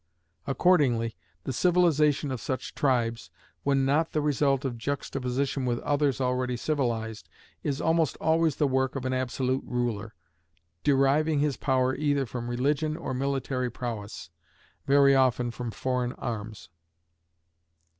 Accordingly, the civilization of such tribes, when not the result of juxtaposition with others already civilized, is almost always the work of an absolute ruler, deriving his power either from religion or military prowess very often from foreign arms.